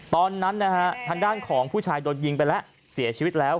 ตอนนั้นนะฮะทางด้านของผู้ชายโดนยิงไปแล้วเสียชีวิตแล้ว